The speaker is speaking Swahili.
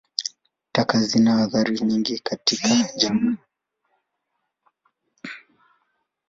Taka zina athari nyingi katika jamii.